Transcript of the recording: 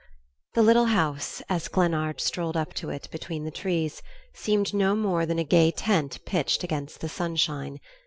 V The little house, as Glennard strolled up to it between the trees, seemed no more than a gay tent pitched against the sunshine.